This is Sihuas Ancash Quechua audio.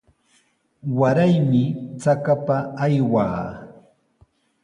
Waraymi trakapa aywaa.